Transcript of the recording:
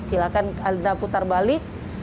silahkan anda putar balik